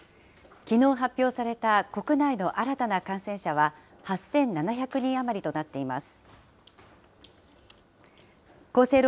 きのう発表された国内の新たな感染者は、８７００人余りとなっています。